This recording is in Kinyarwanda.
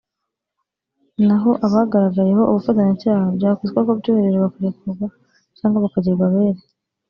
naho abagaragayeho ubufatanyacyaha byakwitwa ko byoroheje bakarekurwa cyangwa bakagirwa abere